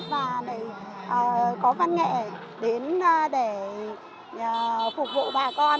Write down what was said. và có văn nghệ đến để phục vụ bà con